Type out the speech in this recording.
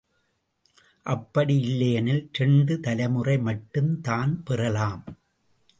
அப்படி இல்லையெனில், இரண்டு தலைமுறை மட்டும் தான் பெறலாம்.